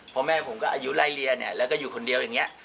เพราะแม่ผมก็อายุไล่เรียนเนี่ยแล้วก็อยู่คนเดียวอย่างนี้